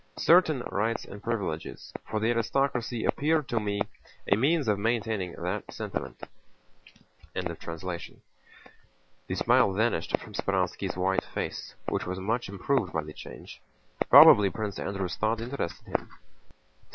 Certain rights and privileges for the aristocracy appear to me a means of maintaining that sentiment." The smile vanished from Speránski's white face, which was much improved by the change. Probably Prince Andrew's thought interested him.